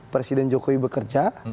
presiden jokowi bekerja